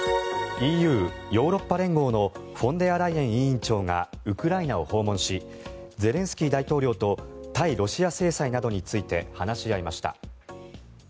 ＥＵ・ヨーロッパ連合のフォンデアライエン委員長がウクライナを訪問しゼレンスキー大統領と対ロシア制裁などについて話し合いました。